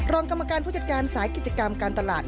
รองกรรมการผู้จัดการสายกิจกรรมการตลาด